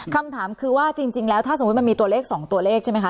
คำถามคือว่าจริงแล้วถ้าสมมุติมันมีตัวเลข๒ตัวเลขใช่ไหมคะ